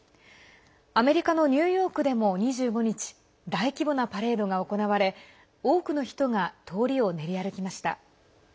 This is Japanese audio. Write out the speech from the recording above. アメリカのニューヨークでも２５日大規模なパレードが行われ多くの人が通りを練り歩きました。